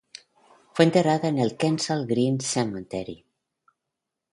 Fue enterrada en el Kensal Green Cemetery.